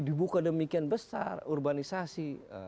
dibuka demikian besar urbanisasi